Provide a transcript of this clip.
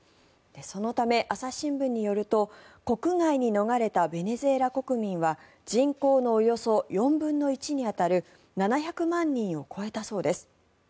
そのため、朝日新聞によると国外に逃れたベネズエラ国民は人口のおよそ４分の１に当たる７００万人を超えたそうです。